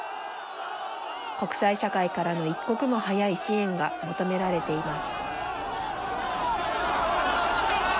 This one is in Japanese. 国際社会からの一刻も早い支援が求められています。